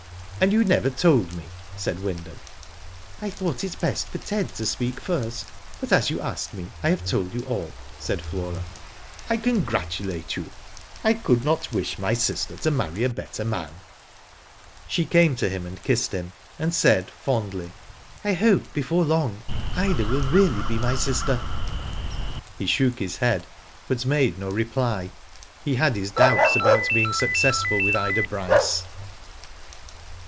'*And you never told me," said Wyndham. '* I thought it best for Ted to speak first, but as you asked me, I have told you all," said Flora. '*! congratulate you. I could not wish my sister to marry a better man." She came to him and kissed him, and said fondly ;I hope before long Ida will really be my sister." He shook his head, but made no reply. He had his doubts about being successful with Ida Bryce.